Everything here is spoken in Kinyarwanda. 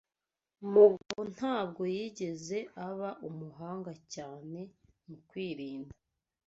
Mugabo ntabwo yigeze aba umuhanga cyane mu kwirinda.